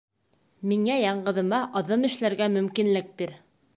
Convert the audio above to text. Миңә яңғыҙыма аҙым эшләргә мөмкинлек бир.